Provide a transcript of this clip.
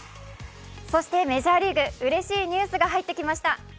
そしてメジャーリーグ、うれしいニュースが入ってきました。